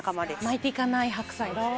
「巻いていかない白菜です」